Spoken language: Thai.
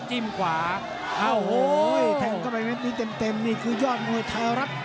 จิ้มขวาอ้าวโห้วแทงก่อนก็ไม่มีเต็มนี่คือยอดมวยไทยรัฐโดย